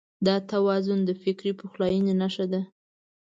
دا توازن د فکري پخلاينې نښه ده.